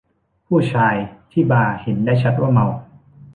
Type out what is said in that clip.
ผู้ชายที่บาร์เห็นได้ชัดว่าเมา